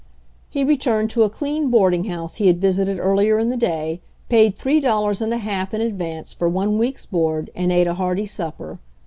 He returned to a clean boarding house he had visited earlier in the day, paid three dollars and a half in advance foi^ one week's board, and ate a hearty supper.